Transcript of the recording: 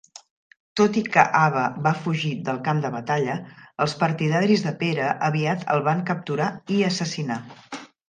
Tot i que Aba va fugir del camp de batalla, els partidaris de Pere aviat el van capturar i assassinar.